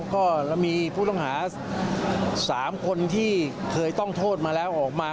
ก็มีผู้ต้องหา๓คนที่เคยต้องโทษมาแล้วออกมา